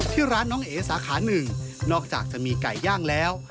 ที่ร้านน้องเอ๋สาขาหนึ่งนอกจากจะมีไก่ย่างแล้ว